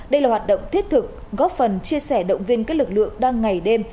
đây là hoạt động thiết thực góp phần chia sẻ động viên các lực lượng đang ngày đêm